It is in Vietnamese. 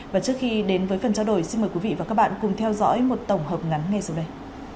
và trước khi đến với phần trao đổi xin mời quý vị và các bạn cùng theo dõi một tổng hợp ngắn ngay sau đây